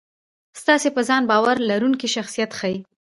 ستاسې په ځان باور لرونکی شخصیت ښي.